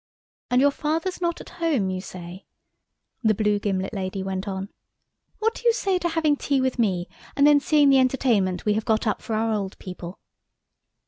"And your Father's not at home, you say," the blue gimlet lady went on. "What do you say to having tea with me, and then seeing the entertainment we have got up for our old people?"